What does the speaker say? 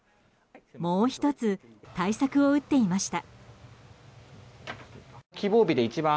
もう１つ対策を打っていました。